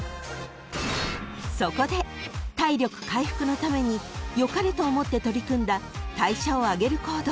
［そこで体力回復のために良かれと思って取り組んだ代謝を上げる行動］